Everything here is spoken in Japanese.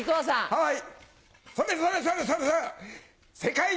はい。